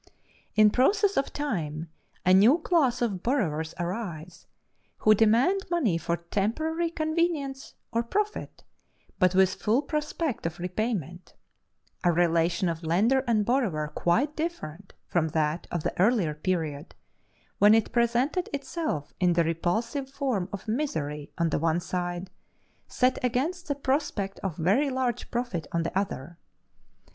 In process of time a new class of borrowers arise who demand money for temporary convenience or profit, but with full prospect of repayment a relation of lender and borrower quite different from that of the earlier period, when it presented itself in the repulsive form of misery on the one side, set against the prospect of very large profit on the other.